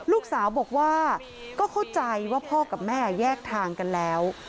ลูกสาวบอกว่าก็เข้าใจว่าพ่อกับแม่แยกทางกันแล้ว